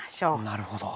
なるほど。